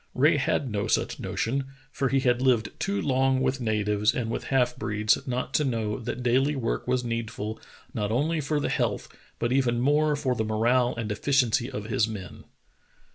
Rae had no such notion, for he had lived too long with natives and with half breeds not 144 True Tales of Arctic Heroism to know that daily work was needful not only for the health, but even more for the morale and efficiency of his men.